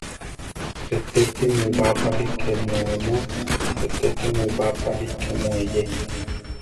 Retéti mu bapáli kemu onó; retéti mu bapáli kemu eyé.